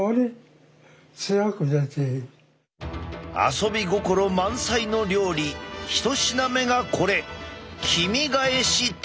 遊び心満載の料理１品目がこれ。